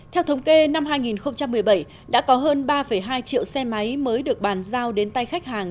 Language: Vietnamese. theo thống kê năm hai nghìn một mươi bảy đã có hơn ba hai triệu xe máy mới được bàn giao đến tay khách hàng